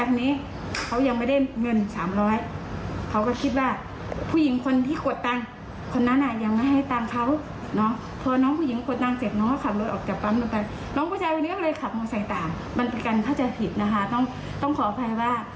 ขอโทษไปว่าน้องผู้ชายนี้เขาก็จ่ายผิด